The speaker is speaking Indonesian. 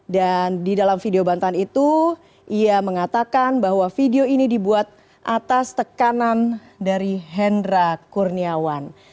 dan di dalam video bantahan itu ia mengatakan bahwa video ini dibuat atas tekanan dari hendra kurniawan